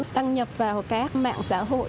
tăng nhập vào các mạng xã hội